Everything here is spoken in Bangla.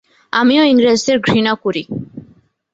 আমিও ইংরেজদের ঘৃনা করি।